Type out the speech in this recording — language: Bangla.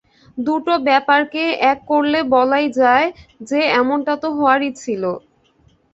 দুটো ব্যাপারকে এক করলে বলাই যায় যে, এমনটা তো হওয়ারই ছিল।